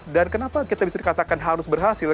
dan kenapa kita bisa dikatakan harus berhasil